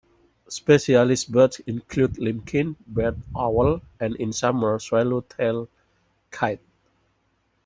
Specialist birds include limpkin, barred owl and, in summer, swallow-tailed kite.